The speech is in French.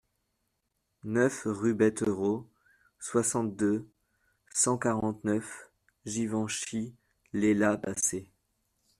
neuf rue Betterots, soixante-deux, cent quarante-neuf, Givenchy-lès-la-Bassée